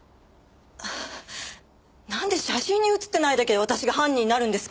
なんで写真に写ってないだけで私が犯人になるんですか？